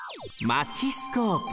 マチスコープ。